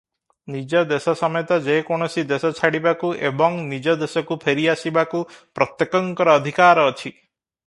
ନିଜ ଦେଶ ସମେତ ଯେକୌଣସି ଦେଶ ଛାଡ଼ିବାକୁ ଏବଂ ନିଜ ଦେଶକୁ ଫେରିଆସିବାକୁ ପ୍ରତ୍ୟେକଙ୍କର ଅଧିକାର ଅଛି ।